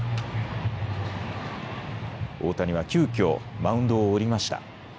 大谷は急きょマウンドを降りました。